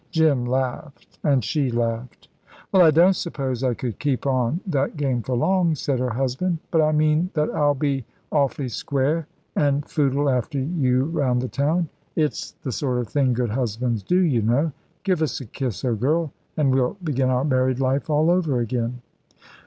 Jim laughed, and she laughed. "Well, I don't suppose I could keep on that game for long," said her husband; "but I mean that I'll be awf'ly square, an' footle after you round the town. It's th' sort of thing good husbands do, y' know. Give us a kiss, old girl, an' we'll begin our married life all over again."